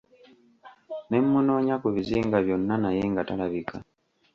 Ne munonya ku bizinga byonna naye nga talabika